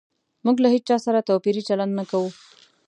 موږ له هيچا سره توپيري چلند نه کوو